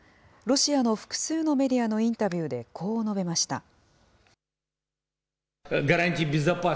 ロシアの複数のメディアのインタビューでこう述べました。